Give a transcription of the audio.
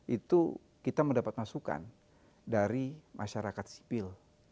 itu kita mendapat masukan dari masyarakat sipil